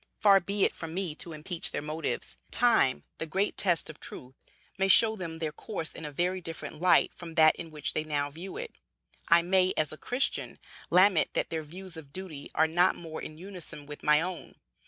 Far be it from me to impeach their motives. Time, the great test of truth, may show them their course in a very different light from that in which they now view it. I may, as a Christian, lament that their views of duty are not more in unison with my own.